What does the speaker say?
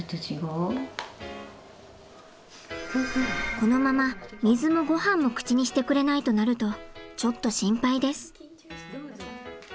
このまま水もごはんも口にしてくれないとなるとちょっと心配です。